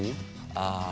ああ。